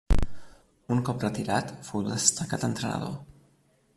Un cop retirat fou destacat entrenador.